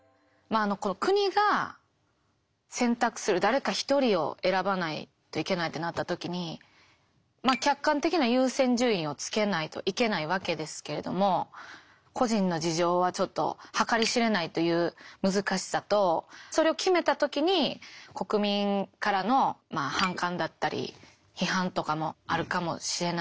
国が選択する誰か１人を選ばないといけないとなった時に客観的な優先順位をつけないといけないわけですけれども個人の事情はちょっと計り知れないという難しさとそれを決めた時に国民からの反感だったり批判とかもあるかもしれない。